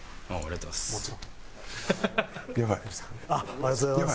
ありがとうございます。